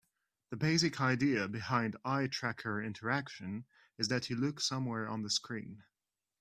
The basic idea behind eye tracker interaction is that you look somewhere on the screen.